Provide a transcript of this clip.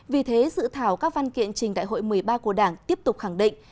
vì thế dự thảo các văn kiện trình đại hội một mươi ba của đảng tiếp tục khẳng định